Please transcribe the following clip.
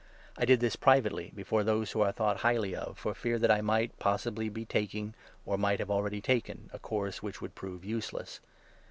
I did this privately before those who are thought highly of, for fear that I might possibly be taking, or might have already taken, a course which would prove useless.